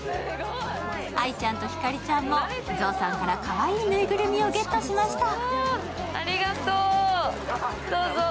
愛ちゃんとひかりちゃんも、象さんからかわいいぬいぐるみをゲットしました。